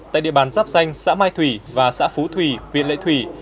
tại địa bàn giáp danh xã mai thủy và xã phú thủy huyện lệ thủy